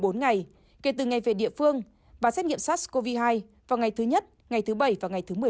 một mươi bốn ngày kể từ ngày về địa phương và xét nghiệm sars cov hai vào ngày thứ nhất ngày thứ bảy và ngày thứ một mươi bốn